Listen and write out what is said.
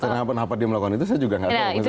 kenapa dia melakukan itu saya juga nggak tahu